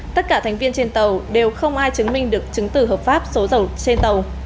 tất cả thành viên trên tàu đều không ai chứng minh được chứng tử hợp pháp số dầu trên tàu